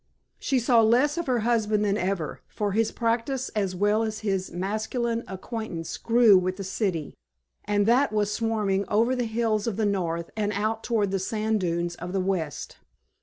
She saw less of her husband than ever, for his practice as well as his masculine acquaintance grew with the city and that was swarming over the hills of the north and out toward the sand dunes of the west.